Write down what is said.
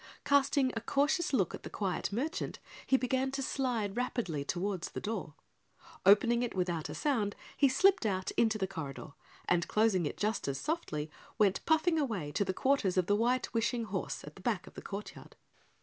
Casting a cautious look at the quiet merchant, he began to slide rapidly toward the door. Opening it without a sound, he slipped out into the corridor and, closing it just as softly, went puffing away to the quarters of the White Wishing Horse at the back of the courtyard.